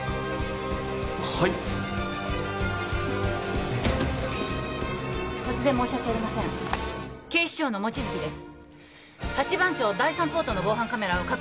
はい突然申し訳ありません警視庁の望月です